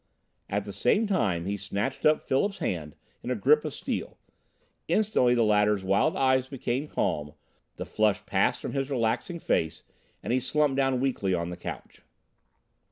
At the same time he snatched up Philip's hand in a grip of steel. Instantly the latter's wild eyes became calm, the flush passed from his relaxing face, and he slumped down weakly on the couch.